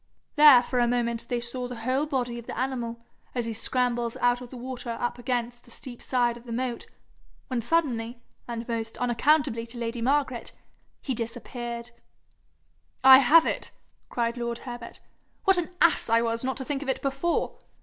There for a moment they saw the whole body of the animal, as he scrambled out of the water up against the steep side of the moat when suddenly, and most unaccountably to lady Margaret, he disappeared. 'I have it!' cried lord Herbert. 'What an ass I was not to think of it before!